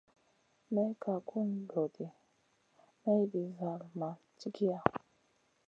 May ka gun lo ɗi, mayɗin zall ma cigiya.